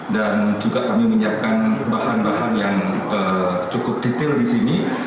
dan juga kami menyiapkan bahan bahan yang cukup detail di sini